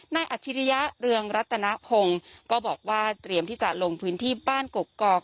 อัจฉริยะเรืองรัตนพงศ์ก็บอกว่าเตรียมที่จะลงพื้นที่บ้านกกอก